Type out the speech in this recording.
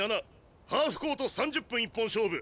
ハーフコート３０分一本勝負。